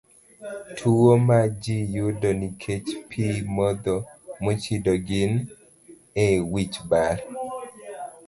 Tuwo ma ji yudo nikech pi modho mochido gin: A. wich bar